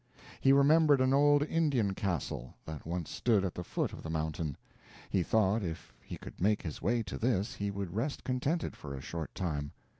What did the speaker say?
He remembered an old Indian Castle, that once stood at the foot of the mountain. He thought if he could make his way to this, he would rest contented for a short time.